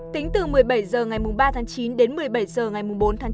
tính từ một mươi bảy h ngày ba tháng chín đến một mươi bảy h ngày bốn tháng chín